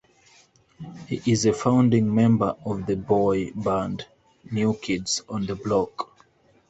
He is a founding member of the boy band New Kids on the Block.